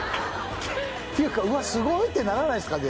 ていうかうわっすごいってならないですかね？